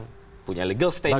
yang punya legal standing